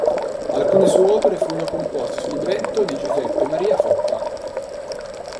Alcune sue opere furono composte su libretto di Giuseppe Maria Foppa.